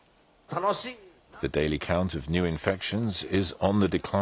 楽しいな。